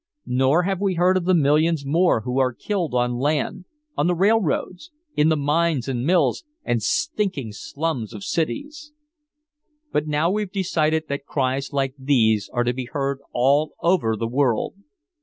Nor have we heard of the millions more who are killed on land on the railroads, in the mines and mills and stinking slums of cities! "But now we've decided that cries like these are to be heard all over the world.